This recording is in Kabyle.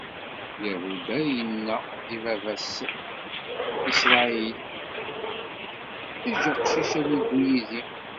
Yahuda yenna i baba-s, Isṛayil: Eǧǧ aqcic ad iddu yid-i.